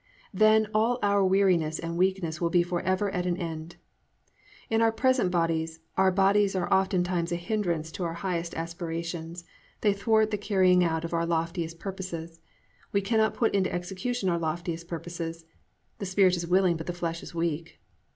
"+ Then all our weariness and weakness will be forever at an end. In our present bodies our bodies are oftentimes a hindrance to our highest aspirations, they thwart the carrying out of our loftiest purposes, we cannot put into execution our loftiest purposes, +"the spirit is willing but the flesh is weak."